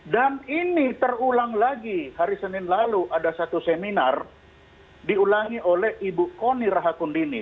dan ini terulang lagi hari senin lalu ada satu seminar diulangi oleh ibu koni rahakundini